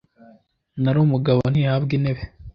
Nari umugabo ntihabwa intebe.